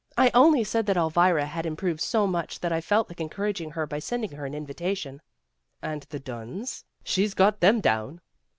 I only said that Elvira had improved so much that I felt like encouraging her by sending her an invitation. '' ''And the Dunns. She's got them down."